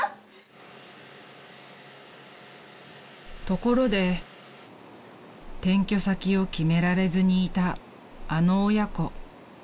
［ところで転居先を決められずにいたあの親子］